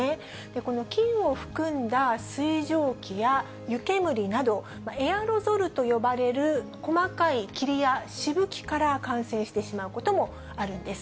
この菌を含んだ水蒸気や湯煙など、エアロゾルと呼ばれる、細かい霧やしぶきから感染してしまうこともあるんです。